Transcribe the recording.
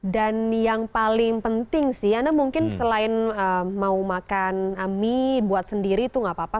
dan yang paling penting sih anda mungkin selain mau makan mie buat sendiri itu tidak apa apa